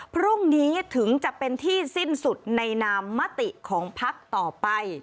พรุ่งนี้ถึงจะเป็นที่สิ้นสุดในนามมติของพักต่อไป